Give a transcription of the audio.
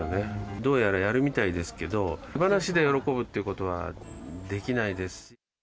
どうやらやるみたいですけど、手放しで喜ぶってことはできないです。